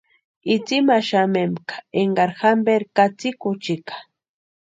Itsïmaxamempka énkarini jamperu katsïkuchika.